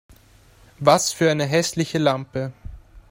Was für eine hässliche Lampe